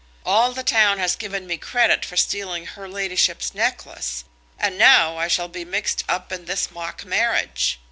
All the town has given me credit for stealing her ladyship's necklace, and now I shall be mixed up in this mock marriage.